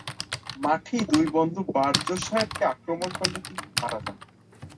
মাঠেই দুই বন্ধু বার্জ সাহেবকে আক্রমণ করলে তিনি মারা যান।